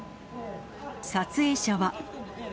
撮影者は。